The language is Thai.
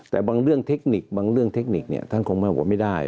แต่บางเรื่องเทคนิคท่านคงไม่บอกไม่ได้